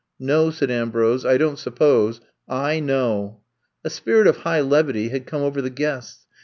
No, '' said Ambrose. I don 't suppose. Iknow." A spirit of high levity had come over the guests.